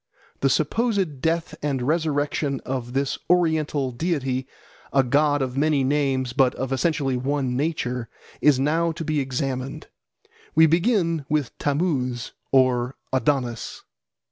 The supposed death and resurrection of this oriental deity, a god of many names but of essentially one nature, is now to be examined. We begin with Tammuz or Adonis.